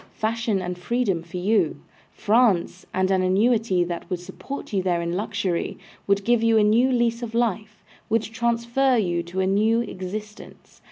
Fashion and freedom for you. France, and an annuity that would support you there in luxury, would give you a new lease of life, would transfer you to a new existence.